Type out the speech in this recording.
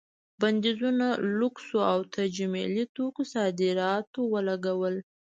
بندیزونو لوکسو او تجملي توکو صادراتو ولګول.